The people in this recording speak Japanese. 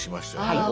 はい。